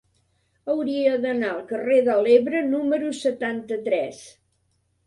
Hauria d'anar al carrer de l'Ebre número setanta-tres.